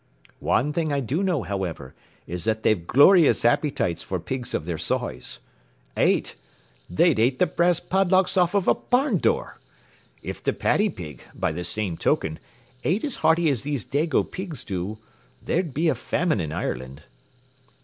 Wan thing I do know, howiver, which is they've glorious appytites for pigs of their soize. Ate? They'd ate the brass padlocks off of a barn door I If the paddy pig, by the same token, ate as hearty as these dago pigs do, there'd be a famine in Ireland.